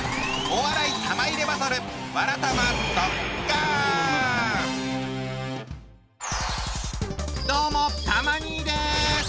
お笑い玉入れバトルどうもたま兄です。